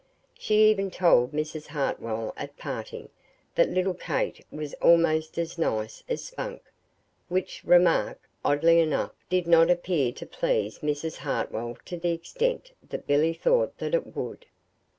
She even told Mrs. Hartwell at parting that little Kate was almost as nice as Spunk which remark, oddly enough, did not appear to please Mrs. Hartwell to the extent that Billy thought that it would.